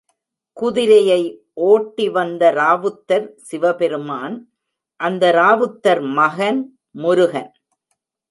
குதிரையை ஓட்டி வந்த ராவுத்தர் சிவபெருமான், அந்த ராவுத்தர் மகன் முருகன்.